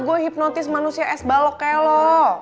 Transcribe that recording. gue hipnotis manusia es balok kayak lu